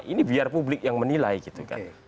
ini biar publik yang menilai gitu kan